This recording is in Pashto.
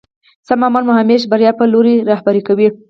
سم عمل مو همېش بريا په لوري رهبري کوي.